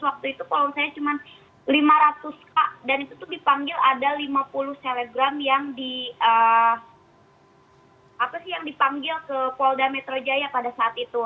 waktu itu kalau saya cuma lima ratus kak dan itu tuh dipanggil ada lima puluh selegram yang dipanggil ke polda metro jaya pada saat itu